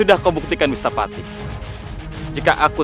aku akan memaksamu